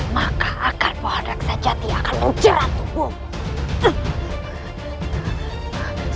maka akar pohon reksa jati akan menjerat tubuhmu